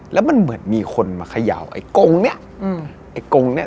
แล้วยังมีมีคนมาเขย่าไอ้โค้งนี้